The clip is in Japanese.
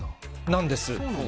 なんです。